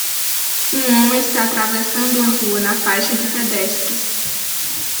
Um homem está atravessando uma rua na faixa de pedestres.